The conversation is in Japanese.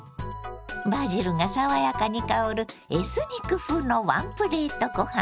バジルが爽やかに香るエスニック風のワンプレートご飯。